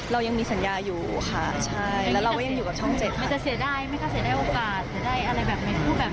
เรายังมีสัญญาอยู่ค่ะใช่แล้วเรายังอยู่กับช่องเจ็ดค่ะไม่จะเสียได้ไม่กลัวเสียได้โอกาส